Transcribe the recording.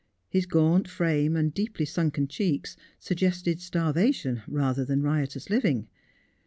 His gaunt frame and deeply sunken cheeks sug gested starvation rather than riotous living.